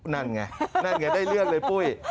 นั่นไงนั่นไงได้เลือดเลยปุ้ย